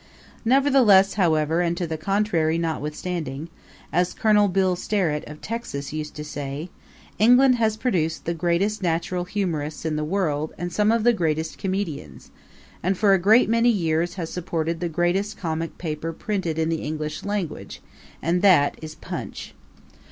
Nevertheless, however, and to the contrary notwithstanding as Colonel Bill Sterritt, of Texas, used to say England has produced the greatest natural humorists in the world and some of the greatest comedians, and for a great many years has supported the greatest comic paper printed in the English language, and that is Punch.